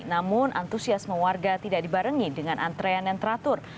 namun antusias mewarga tidak dibarengi dengan antrean yang teratur